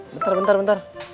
bentar bentar bentar